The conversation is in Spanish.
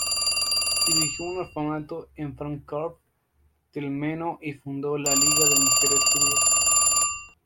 Dirigió un orfanato en Fráncfort del Meno y fundó la liga de mujeres judías.